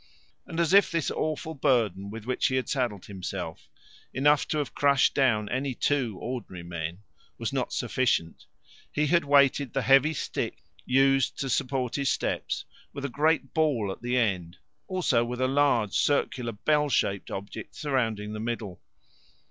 And as if this awful burden with which he had saddled himself enough to have crushed down any two ordinary men was not sufficient, he had weighted the heavy stick used to support his steps with a great ball at the end, also with a large circular bell shaped object surrounding the middle.